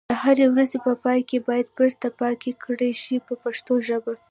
د هرې ورځې په پای کې باید بیرته پاکي کړای شي په پښتو ژبه.